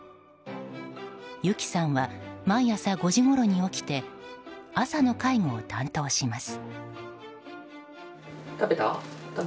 ゆきさんは毎朝５時ごろに起きて朝の介護を担当します。